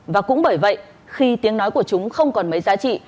và cũng bởi vậy khi tiếng nói của chúng không còn mấy giá trị